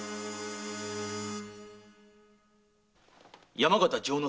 山形丈之